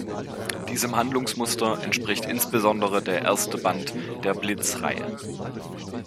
Diesem Handlungsmuster entspricht insbesondere der erste Band der Blitz-Reihe.